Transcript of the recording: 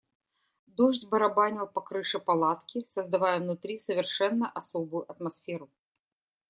Дождь барабанил по крыше палатки, создавая внутри совершенно особую атмосферу.